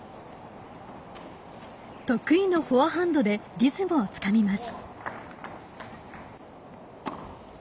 得意のフォアハンドでリズムをつかみます。